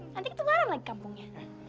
nanti kita marah lagi kampungnya